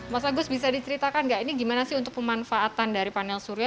mas agus bisa diceritakan nggak ini gimana sih untuk pemanfaatan dari panel surya